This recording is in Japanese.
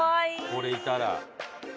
これいたら。